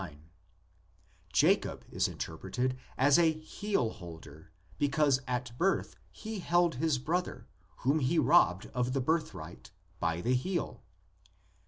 9); Jacob is interpreted as "heelholder" because at birth he held his brother, whom he robbed of the birthright, by the heel (xxv.